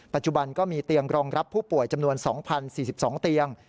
ปัจจุบันก็มีเตียงรองรับผู้ป่วยจำนวน๒๐๔๒เตียง